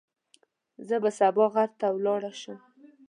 زه به سبا غر ته ولاړ شم.